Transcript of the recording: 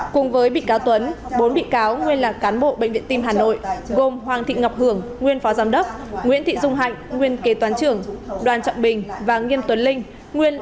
cùng với bị cáo tuấn bốn bị cáo nguyên là cán bộ bệnh viện tim hà nội gồm hoàng thị ngọc hưởng nguyên phó giám đốc nguyễn thị dung hạnh nguyên kế toán trưởng đoàn trọng bình và nghiêm tuấn linh